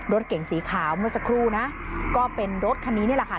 รถเก่งสีขาวเมื่อสักครู่นะก็เป็นรถคันนี้นี่แหละค่ะ